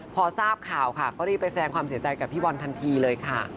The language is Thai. พอทราบข่าวค่ะก็รีบไปแสดงความเสียใจกับพี่บอลทันทีเลยค่ะ